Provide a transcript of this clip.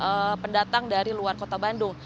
dan juga pendatang dari luar kota bandung